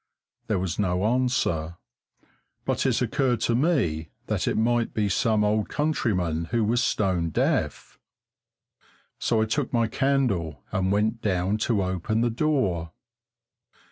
There was no answer, but it occurred to me that it might be some old countryman who was stone deaf. So I took my candle and went down to open the door.